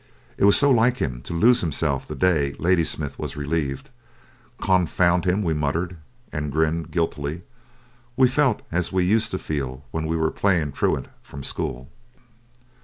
It was so like him to lose himself the day Ladysmith was relieved. "Confound him," we muttered, and grinned guiltily. We felt as we used to feel when we were playing truant from school.